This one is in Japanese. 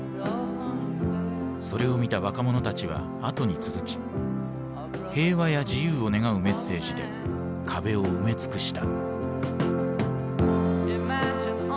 それを見た若者たちはあとに続き平和や自由を願うメッセージで壁を埋め尽くした。